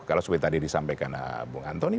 kalau seperti tadi disampaikan bung antoni